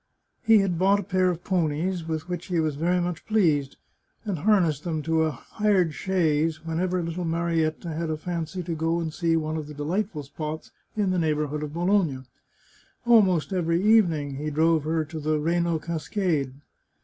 He had bought a pair of ponies, with which he was very much pleased, and harnessed them to a hired chaise whenever little Marietta had a fancy to go and see one of the delightful spots in the neighbourhood of Bologna. Almost every evening he drove her to the Reno Cascade.